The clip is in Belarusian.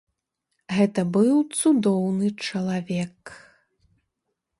Гэта быў цудоўны чалавек.